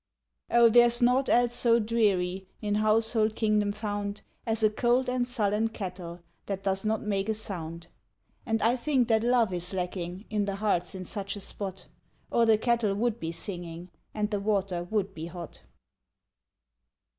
Oh, there's naught else so dreary In household kingdom found As a cold and sullen kettle That does not make a sound. And I think that love is lacking In the hearts in such a spot, Or the kettle would be singing And the water would be hot.